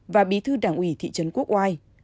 và bí thư đảng ủy thị trấn quốc ngoài